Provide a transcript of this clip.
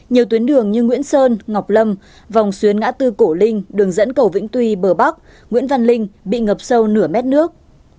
nhiều tuyến đường như nguyễn sơn ngọc lâm vòng xuyến ngã tư cổ linh đường dẫn cầu vĩnh tuy bờ bắc nguyễn văn linh bị ngập sâu nửa mét nước